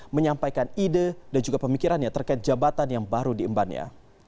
menyampaikan ide dan juga pemikirannya terkait jabatan yang baru diembannya